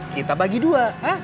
kita bagi dua